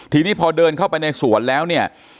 ทีนี้พอเดินเข้าไปในสวนแล้วเนี่ย